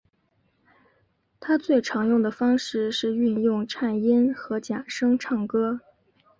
他最常用的方式是运用颤音和假声唱歌。